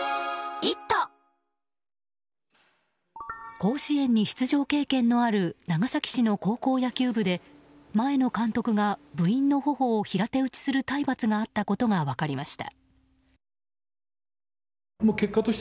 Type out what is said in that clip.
甲子園に出場経験のある長崎市の高校野球部で前野監督が部員の頬を平手打ちする体罰があったことが分かりました。